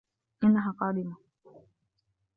إنها قادمة.